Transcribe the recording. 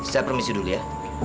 saya permisi dulu ya